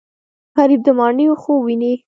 غریب د ماڼیو خوب ویني